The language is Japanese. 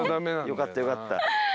よかったよかった。